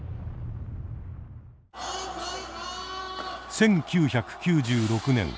１９９６年。